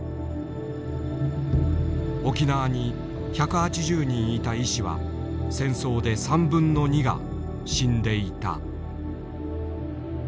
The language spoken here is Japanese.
沖縄に１８０人いた医師は戦争で３分の２が死んでいた。